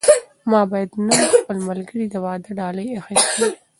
ما باید نن د خپل ملګري د واده ډالۍ اخیستې وای.